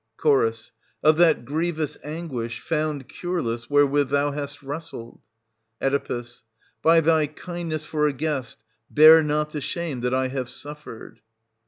Ch. — of that grievous anguish, found cureless, wherewith thou hast wrestled. Oe. By thy kindness for a guest, bare not the shame that I have suffered